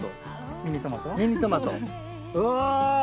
ミニトマトわぁ！